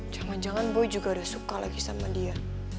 jangan jangan boy juga udah suka lagi sama dia